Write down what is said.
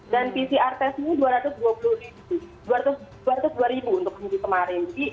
dan pcr testnya dua ratus dua puluh dua ribu untuk minggu kemarin